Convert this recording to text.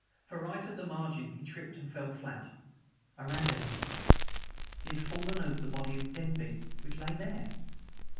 For right at the margin he tripped and fell flat. I ran to him. He had fallen over the body of Denby, which lay there!